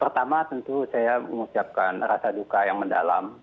pertama tentu saya mengucapkan rasa duka yang mendalam